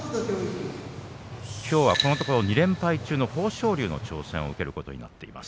きょうはこのところ２連敗中の豊昇龍の挑戦を受けることになります。